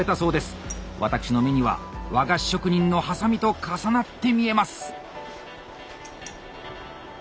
私の目には和菓子職人のハサミと重なって見えます。